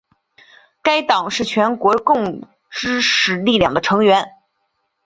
该党是全国共识力量的成员。